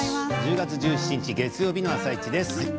１０月１７日月曜日の「あさイチ」です。